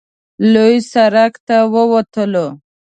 لوی سړک ته ووتل.